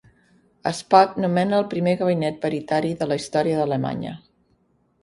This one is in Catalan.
Espot nomena el primer gabinet paritari de la història d'Alemanya.